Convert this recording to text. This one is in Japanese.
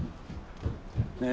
ねえ